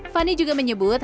fani juga menyebut